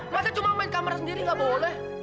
masa cuma main kamar sendiri nggak boleh